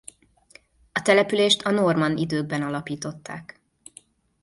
A települést a normann időkben alapították.